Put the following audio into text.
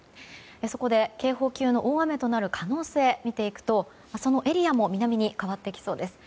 そこで警報級の大雨となる可能性を見ていくとそのエリアも南に変わってきそうです。